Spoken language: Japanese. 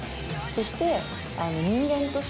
そして。